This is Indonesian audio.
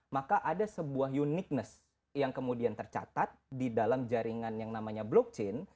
maka ada sebuah uniqness yang kemudian tercatat di dalam jaringan yang namanya blockchain